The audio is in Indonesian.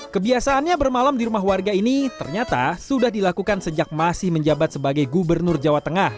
kebiasaannya bermalam di rumah warga ini ternyata sudah dilakukan sejak masih menjabat sebagai gubernur jawa tengah